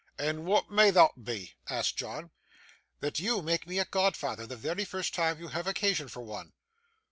'And wa'at may thot be?' asked John. 'That you make me a godfather the very first time you have occasion for one.